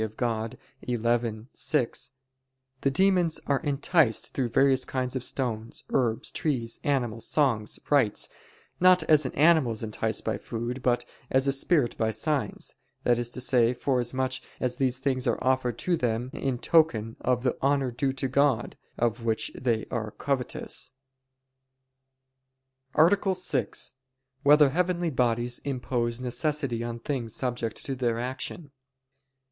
Dei xxi, 6), the "demons are enticed through various kinds of stones, herbs, trees, animals, songs, rites, not as an animal is enticed by food, but as a spirit by signs"; that is to say, forasmuch as these things are offered to them in token of the honor due to God, of which they are covetous. _______________________ SIXTH ARTICLE [I, Q. 115, Art. 6] Whether Heavenly Bodies Impose Necessity on Things Subject to Their Action?